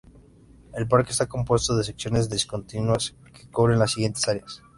El parque está compuesto de secciones discontinuas que cubren las siguientes áreas.